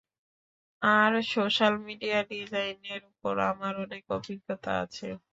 আর social media ডিজাইনের ওপর আমার অনেক অভিজ্ঞতা আছে।